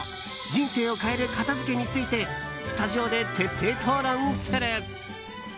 人生を変える片付けについてスタジオで徹底討論する。